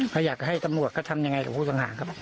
ถ้าอยากให้ต้นบวกก็ทำยังไงกับผู้ตังหาครับ